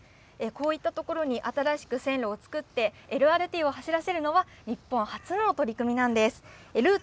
こういった所に新しく線路をつくって、ＬＲＴを走らせるのは、日本初の取り組みなんです。